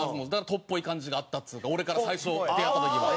とっぽい感じがあったっつうか最初出会った時も。